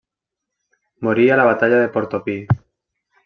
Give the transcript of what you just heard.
Morí a la Batalla de Portopí.